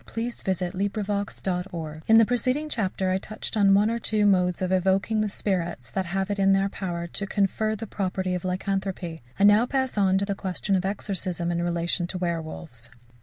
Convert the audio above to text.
CHAPTER V WERWOLVES AND EXORCISM In the preceding chapter I touched on one or two modes of evoking the spirits that have it in their power to confer the property of lycanthropy; I now pass on to the question of exorcism in relation to werwolves.